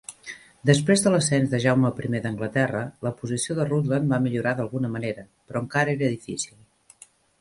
Després de l'ascens de Jaume I d'Anglaterra, la posició de Rutland va millorar d'alguna manera, però encara era difícil.